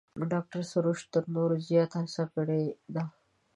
ډاکتر سروش تر نورو زیات هڅه کړې ده.